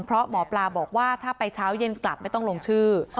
เพราะหมอปลาบอกว่าถ้าไปเช้าเย็นกลับไม่ต้องลงชื่อ